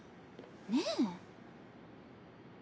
ねえ。